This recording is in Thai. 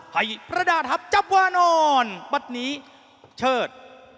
ให้พระดาทัพจับว่านอนปัดนี้เชิด